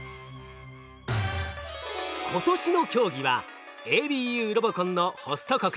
今年の競技はＡＢＵロボコンのホスト国